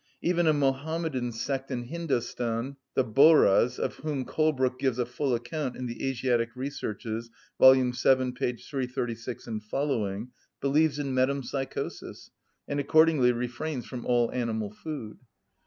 Even a Mohammedan sect in Hindostan, the Bohrahs, of which Colebrooke gives a full account in the "Asiatic Researches," vol. vii. p. 336 sqq., believes in metempsychosis, and accordingly refrains from all animal food.